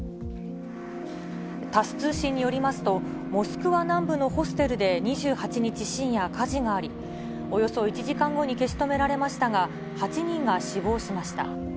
タス通信によりますと、モスクワ南部のホステルで２８日深夜、火事があり、およそ１時間後に消し止められましたが、８人が死亡しました。